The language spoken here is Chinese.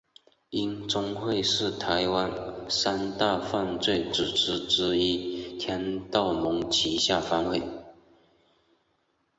鹰中会是台湾三大犯罪组织之一天道盟旗下分会。